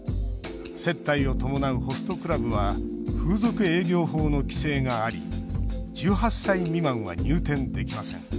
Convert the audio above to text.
接待を伴うホストクラブは風俗営業法の規制があり１８歳未満は入店できません。